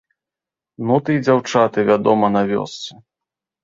Ну, ты й дзяўчаты, вядома, на вёсцы.